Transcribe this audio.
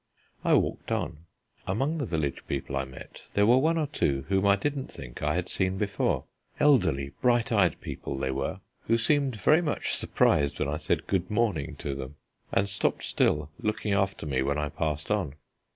I walked on. Among the village people I met, there were one or two whom I didn't think I had seen before elderly, bright eyed people they were who seemed very much surprised when I said "Good morning" to them, and stopped still, looking after me, when I passed on.